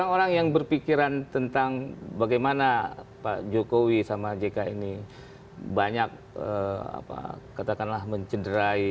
oke baik pak fnd